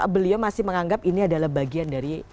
beliau masih menganggap ini adalah bagian dari